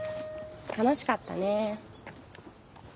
楽しかったね。